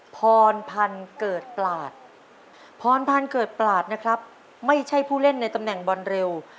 พรพันธ์เกิดปลาดพรพันธ์เกิดปลาดนะครับไม่ใช่ผู้เล่นในตำแหน่งบอลเร็ว